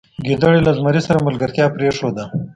ګیدړې له زمري سره ملګرتیا پریښوده.